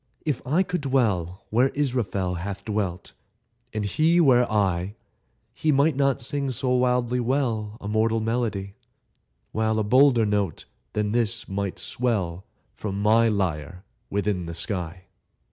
If I could dwell Where Israfel Hath dwelt, and he were I, He might not sing so wildly well A mortal melody, While a bolder note than this might swell From my lyre within the sky.